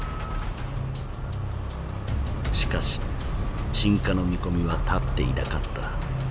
しかし鎮火の見込みは立っていなかった。